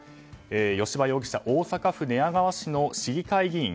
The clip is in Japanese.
吉羽容疑者は大阪府寝屋川市の市議会議員。